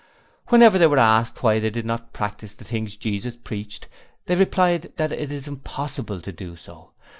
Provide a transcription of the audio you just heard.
Whenever they were asked why they did not practise the things Jesus preached, they replied that it is impossible to do so!